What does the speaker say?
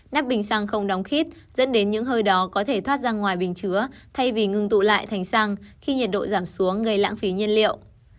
nắp bình xăng không đóng khít dẫn đến những hơi đó có thể thoát ra ngoài bình chứa thay vì ngừng tụ lại thành xăng khi nhiệt độ giảm xuống gây lãng phí nhiên liệu